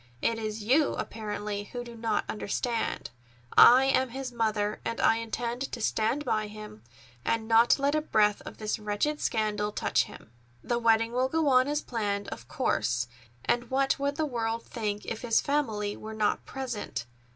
It is you, apparently, who do not understand. I am his mother, and I intend to stand by him, and not let a breath of this wretched scandal touch him. The wedding will go on as planned, of course, and what would the world think if his family were not present?